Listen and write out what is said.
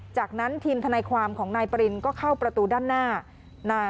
จากนั้นทีมทนายความของนายปรินก็เข้าประตูด้านหน้า